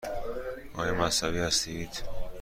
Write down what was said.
آیا مذهبی هستید؟